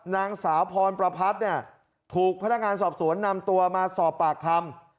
นางสาวพรประพัทธ์เนี่ยถูกพนักงานสอบสวนนำตัวมาสอบปากคำ